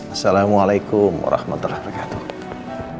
assalamualaikum rahmatullah rakyatuh